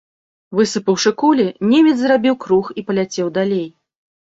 Высыпаўшы кулі, немец зрабіў круг і паляцеў далей.